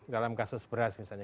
dalam kasus beras misalnya